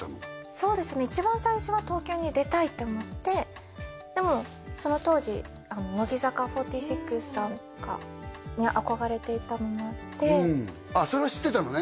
そうですね一番最初は東京に出たいって思ってでもその当時乃木坂４６さんとかに憧れていたのもあってそれは知ってたのね